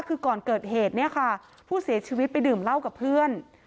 คือก่อนเกิดเหตุเนี่ยค่ะผู้เสียชีวิตไปดื่มเหล้ากับเพื่อน